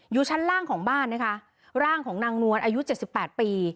อยู่ชั้นล่างของบ้านนะคะร่างของนางนวลอายุเจ็ดสิบแปดปี